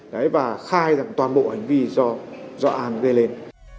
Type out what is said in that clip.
đấy và khai rằng toàn bộ hành vi do an gây lên